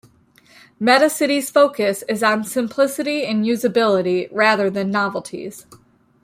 Metacity's focus is on simplicity and usability rather than novelties.